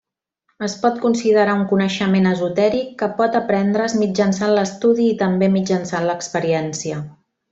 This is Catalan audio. Es pot considerar un coneixement esotèric, que pot aprendre's mitjançant l'estudi i també mitjançant l'experiència.